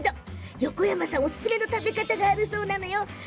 横山さんおすすめの食べ方があるんですって。